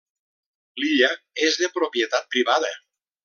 L’illa és de propietat privada.